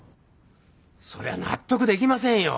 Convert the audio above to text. そりゃ納得できませんよ。